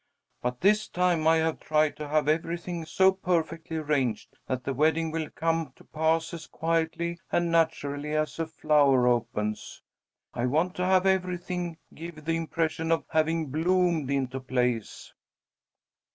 But this time I have tried to have everything so perfectly arranged that the wedding will come to pass as quietly and naturally as a flower opens. I want to have everything give the impression of having bloomed into place."